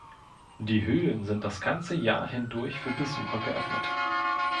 Die Höhlen sind das ganze Jahr hindurch für Besucher geöffnet.